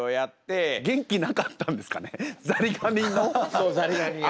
そうザリガニが。